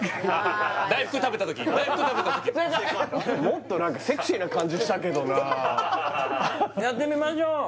もっと何かセクシーな感じしたけどなやってみましょう